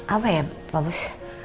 apa ya pak bos